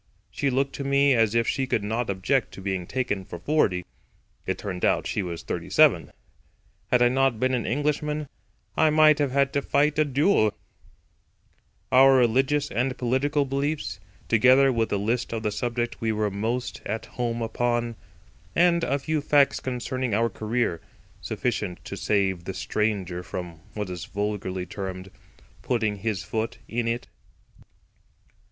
She looked to me as if she could not object to being taken for forty. It turned out she was thirty seven. Had I not been an Englishman I might have had to fight a duel); our religious and political beliefs; together with a list of the subjects we were most at home upon; and a few facts concerning our career—sufficient to save the stranger from, what is vulgarly termed "putting his foot in it."